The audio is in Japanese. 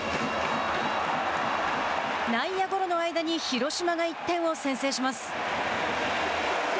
内野ゴロの間に広島が１点を先制します。